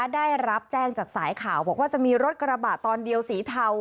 ได้รับแจ้งจากสายข่าวบอกว่าจะมีรถกระบะตอนเดียวสีเทา